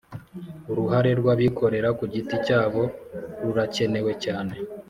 uruhare rw'abikorera ku giti cyabo rurakenewe cyane